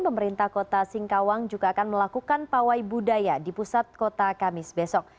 pemerintah kota singkawang juga akan melakukan pawai budaya di pusat kota kamis besok